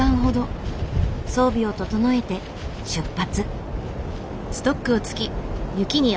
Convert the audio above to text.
装備を整えて出発。